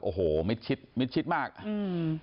โอ้โหมิดชิดมิดชิดมากอืม